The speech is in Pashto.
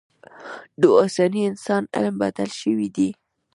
د اوسني انسان علم بدل شوی دی.